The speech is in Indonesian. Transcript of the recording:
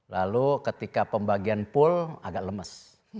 lalu ketika pembagian pool agak lemes